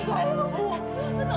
pak mulai sekarang